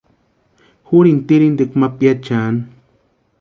Jurini tirhintikwa ma piachiani.